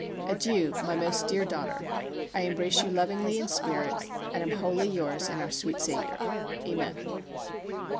Adieu, my most dear daughter. I embrace you lovingly in spirit and am wholly yours in our sweet Saviour. Amen.